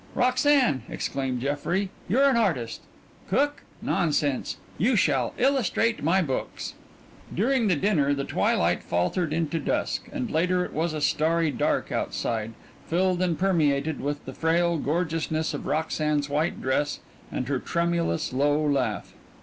"Roxanne," exclaimed Jeffrey, "you're an artist! Cook? nonsense! You shall illustrate my books!" During dinner the twilight faltered into dusk, and later it was a starry dark outside, filled and permeated with the frail gorgeousness of Roxanne's white dress and her tremulous, low laugh.